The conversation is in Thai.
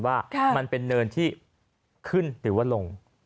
ว่ามันเป็นเนินที่ขึ้นหรือว่าลง